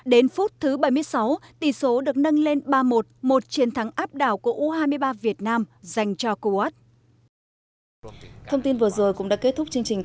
đến phút thứ bảy mươi sáu tỷ số được nâng lên ba một một chiến thắng áp đảo của u hai mươi ba việt nam dành cho kuat